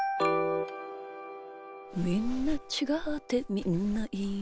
「みんなちがってみんないいな」